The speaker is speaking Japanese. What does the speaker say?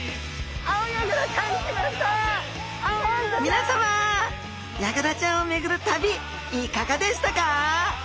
皆さまヤガラちゃんを巡る旅いかがでしたか？